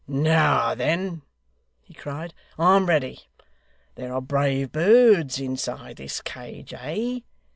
'Now then,' he cried, 'I'm ready. There are brave birds inside this cage, eh?